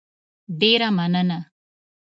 ډېره مننه